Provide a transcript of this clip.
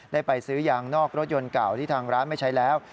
ไปซื้อยางนอกรถยนต์เก่าที่ทางร้านไม่ใช้แล้ว